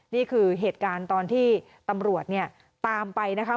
นี่คือเหตุการณ์ตอนที่ตำรวจเนี่ยตามไปนะคะ